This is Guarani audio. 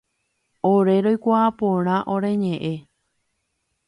Ore roikuaa porã ore ñe'ẽ